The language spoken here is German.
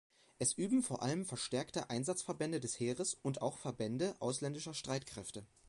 Es üben vor allem verstärkte Einsatzverbände des Heeres und auch Verbände ausländischer Streitkräfte.